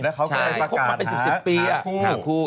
แล้วเขาก็ไปประกาศหาคู่